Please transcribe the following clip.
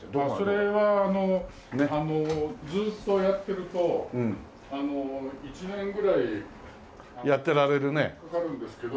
それはずーっとやってると１年ぐらいかかるんですけど。